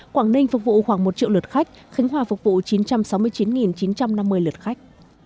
quảng ninh phục vụ khoảng một triệu lượt khách khánh hòa phục vụ chín trăm sáu mươi chín chín trăm năm mươi lượt khách